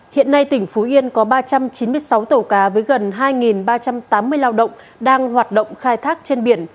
hiện nay tỉnh phú yên có ba trăm chín mươi sáu tàu cá với gần hai ba trăm tám mươi lao động đang hoạt động khai thác trên biển